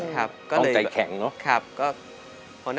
ต้องใจแข็งเนอะ